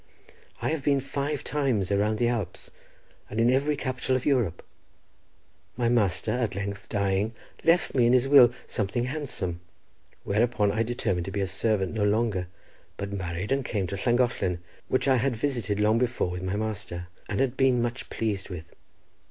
I have been five times across the Alps, and in every capital of Europe. My master at length dying, left me in his will something handsome, whereupon I determined to be a servant no longer, but married, and came to Llangollen, which I had visited long before with my master, and had been much pleased with.